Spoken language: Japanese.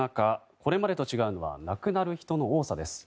これまでと違うのは亡くなる人の多さです。